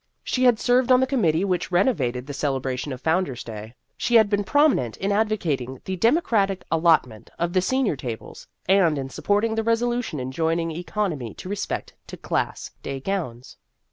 She had served on the committee which renovated the celebration of Founder's Day. She had been prominent in advocating the demo cratic allotment of the senior tables, and in supporting the resolution enjoining economy in respect to Class Day gowns.